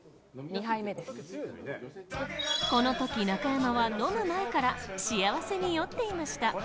このとき、中山は飲む前から幸せに酔っていました。